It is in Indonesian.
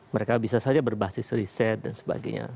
mereka bisa saja berbasis riset dan sebagainya